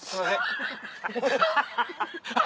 アハハハ！